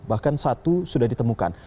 bahkan satu sudah ditemukan